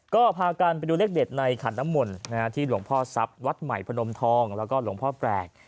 ก็พากันไปดูเลขเด็ดในขันน้ำมนต์ที่หลวงพ่อทรัพย์วัดใหม่พนมทองแล้วก็หลวงพ่อแปลก